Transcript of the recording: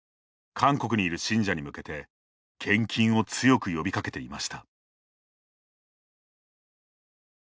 韓国にいる信者に向けて献金を強く呼びかけていました。